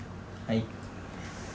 はい。